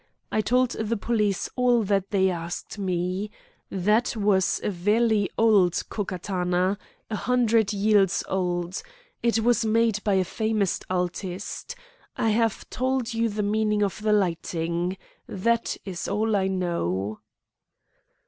"I told the police all that they asked me. That was a velly old Ko Katana, a hundred yeals old. It was made by a famous altist. I have told you the meaning of the liting. That is all I know."